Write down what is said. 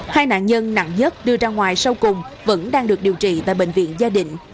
hai nạn nhân nặng nhất đưa ra ngoài sau cùng vẫn đang được điều trị tại bệnh viện gia đình